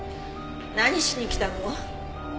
何しに来たの？